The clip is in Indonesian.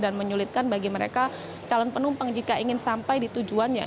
dan menyulitkan bagi mereka calon penumpang jika ingin sampai di tujuan